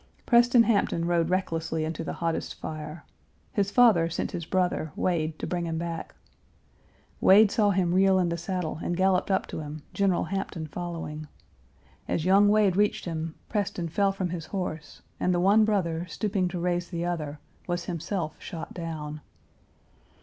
Preston Hampton rode recklessly into the hottest fire. His father sent his brother, Wade, to bring him back. Wade saw him reel in the saddle and galloped up to him, General Hampton following. As young Wade reached him, Preston fell from his horse, and the one brother, stooping to raise the other, was himself shot down.